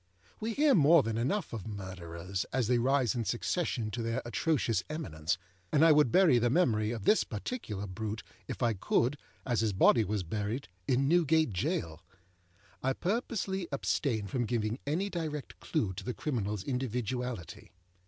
We hear more than enough of murderers as they rise in succession to their atrocious eminence, and I would bury the memory of this particular brute, if I could, as his body was buried, in Newgate Jail. I purposely abstain from giving any direct clue to the criminalâs individuality.